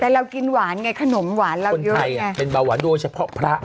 แต่เรากินหวานไงขนมหวานเราเยอะไงเป็นเบาหวานโดยเฉพาะพระ